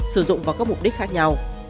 sử dụng vào các mục đích khác nhau